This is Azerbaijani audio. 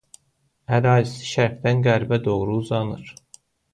Ərazisi şərqdən qərbə doğru uzanır.